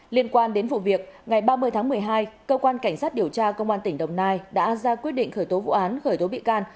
liên quan đến vụ việc ngày ba mươi tháng một mươi hai cơ quan cảnh sát điều tra công an tỉnh đồng nai đã ra quyết định khởi tố vụ án khởi tố bị can